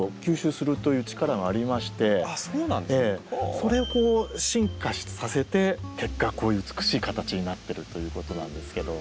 それを進化させて結果こういう美しい形になってるということなんですけども。